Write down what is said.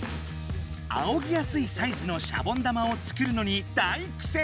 あおぎやすいサイズのシャボン玉を作るのに大苦戦。